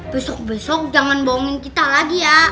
besok besok jangan bohongin kita lagi ya